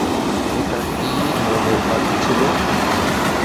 এটা কী ধরনের পাখি ছিল?